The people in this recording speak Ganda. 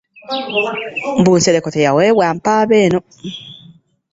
Mbu Nsereko teyaweebwa mpaaba Eno